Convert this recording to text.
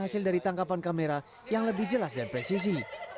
dan hasil dari tangkapan kamera yang lebih jelas dan presisi